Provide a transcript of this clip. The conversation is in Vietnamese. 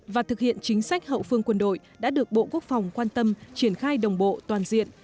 và thực hiện chính sách hậu phương quân đội đã được bộ quốc phòng quan tâm triển khai đồng bộ toàn diện